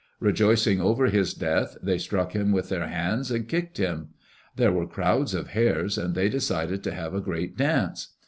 Rejoicing over his death, they struck him with their hands and kicked him. There were crowds of Hares and they decided to have a great dance.